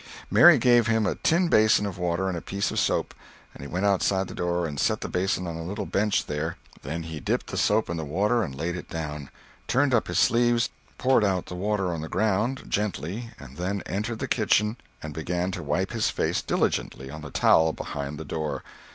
Mary gave him a tin basin of water and a piece of soap, and he went outside the door and set the basin on a little bench there; then he dipped the soap in the water and laid it down; turned up his sleeves; poured out the water on the ground, gently, and then entered the kitchen and began to wipe his face diligently on the towel behind the door.